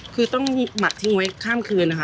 คือต้องหมักทิ้งไว้ข้ามคืนนะคะ